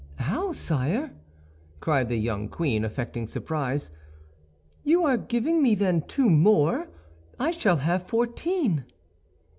"How, sire?" cried the young queen, affecting surprise, "you are giving me, then, two more: I shall have fourteen."